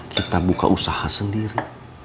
kita buka usaha sendiri